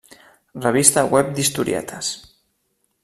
Revista web d'Historietes.